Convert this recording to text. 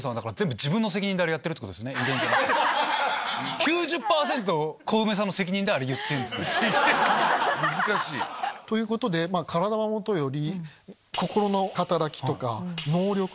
９０％コウメさんの責任で言ってんですね。ということで体はもとより。